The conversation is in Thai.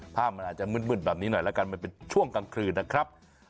ภาพมันอาจจะมืดแบบนี้หน่อยแล้วกันมันเป็นช่วงกลางคืนนะครับ